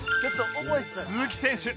鈴木選手